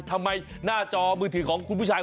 ทำไมหน้าจอมือถือของคุณผู้ชาย